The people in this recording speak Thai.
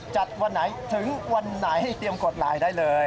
วันไหนถึงวันไหนเตรียมกดไลน์ได้เลย